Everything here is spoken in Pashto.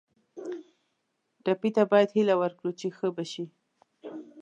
ټپي ته باید هیله ورکړو چې ښه به شي.